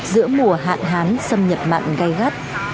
giữa mùa hạn hán sâm nhập mặn gây gắt